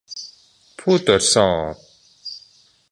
ผู้ตรวจสอบ